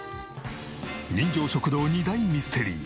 人情食堂２大ミステリー。